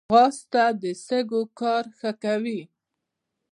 ځغاسته د سږي کار ښه کوي